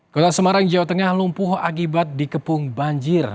kota semarang jawa tengah lumpuh akibat dikepung banjir